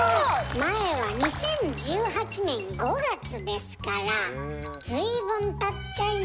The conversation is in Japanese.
前は２０１８年５月ですから随分たっちゃいましたよ？